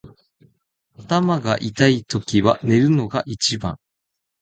頭が痛いときは寝るのが一番。